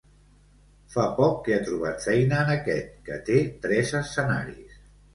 Fa poc que ha trobat feina en aquest, que té tres escenaris.